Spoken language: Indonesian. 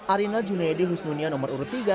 arina junaidi dan husnu niyaholim nomor urut tiga